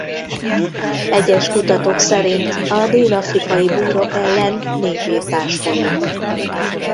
Egyes kutatók szerint a dél-afrikai búrok ellen népirtás folyik.